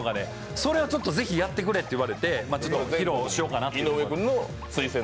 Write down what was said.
それをぜひやってくれって言われて披露しようかなと。